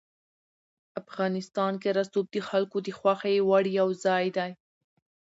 افغانستان کې رسوب د خلکو د خوښې وړ یو ځای دی.